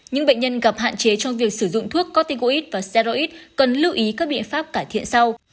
những bệnh nhân gặp hạn chế trong việc sử dụng thuốc corticoid và cedroid cần lưu ý các biện pháp cải thiện sau